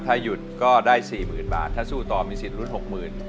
ถ้าหยุดก็ได้๔๐๐๐บาทถ้าสู้ต่อมีสิทธิลุ้น๖๐๐๐บาท